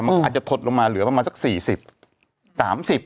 อาจจะถดลงมาเหลือประมาณสัก๔๐๓๐อะไรอย่างนี้